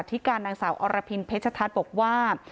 ที่การนางสาวอรพินเพชรทัศน์บอกว่า